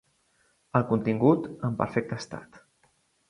El contingut, en perfecte estat.